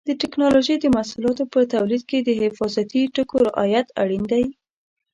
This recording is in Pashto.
د ټېکنالوجۍ د محصولاتو په تولید کې د حفاظتي ټکو رعایت اړین دی.